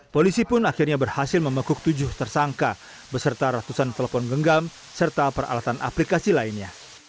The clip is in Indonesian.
polisi pun akhirnya berhasil membekuk tujuh tersangka beserta ratusan telepon genggam serta peralatan aplikasi lainnya